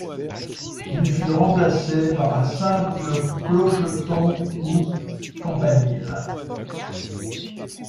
Il fut remplacé par un simple clocheton ou campanile.